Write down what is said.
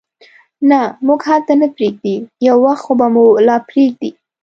نه، موږ هلته نه پرېږدي، یو وخت خو به مو لا پرېږدي.